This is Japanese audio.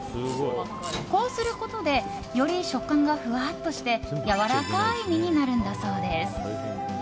こうすることでより食感がふわっとしてやわらかい身になるんだそうです。